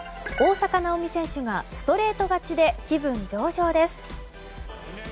大坂なおみ選手がストレート勝ちで気分上々です！